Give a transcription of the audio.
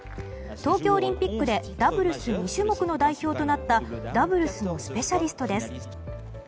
東京オリンピックでダブルス２種目の代表となったダブルスのスペシャリストです。